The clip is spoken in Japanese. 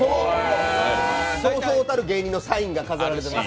そうそうたる芸人のサインが飾られています。